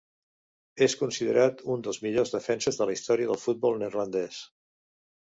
És considerat un dels millors defenses de la història del futbol neerlandès.